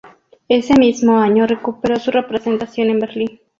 Ese mismo año recuperó su representación en Berlín.